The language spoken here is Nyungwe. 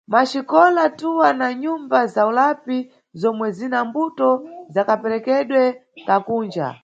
Maxikola twa na Nyumba za ulapi zomwe zina mbuto za kaperekedwe ka Kunja.